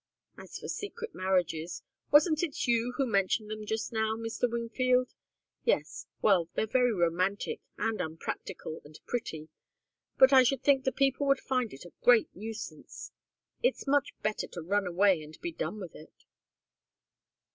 As for secret marriages wasn't it you who mentioned them just now, Mr. Wingfield? Yes well, they're very romantic and unpractical and pretty, but I should think the people would find it a great nuisance. It's much better to run away, and be done with it."